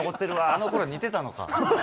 あのころ、似てたのか。